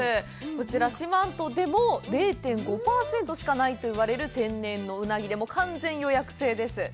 こちら四万十でも０．５％しかないと言われる天然のうなぎで、完全予約制です。